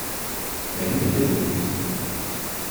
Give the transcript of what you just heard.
La nuit était venue.